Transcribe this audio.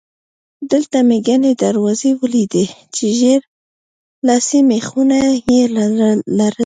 دلته مې ګڼې دروازې ولیدې چې ژېړ لاسي مېخونه یې لرل.